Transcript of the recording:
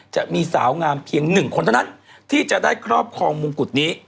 จะมีสาวงามเพียง๑คนเท่านั้นที่จะได้ครอบครองมงกุฎนี้